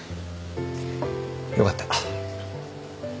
よかった。